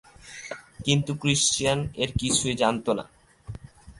কিন্তু ক্রিশ্চিয়ান এর কিছুই জানত না।